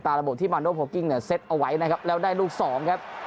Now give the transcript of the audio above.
ตาระบบที่เนี่ยเซตเอาไว้นะครับแล้วได้ลูกสองครับ